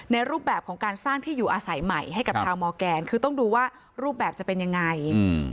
รูปแบบของการสร้างที่อยู่อาศัยใหม่ให้กับชาวมอร์แกนคือต้องดูว่ารูปแบบจะเป็นยังไงอืม